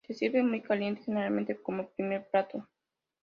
Se sirve muy caliente, generalmente como primer plato.